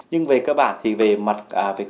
nhưng về cơ bản thì về mặt quy định